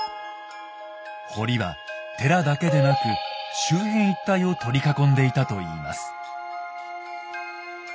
堀は寺だけでなく周辺一帯を取り囲んでいたといいます。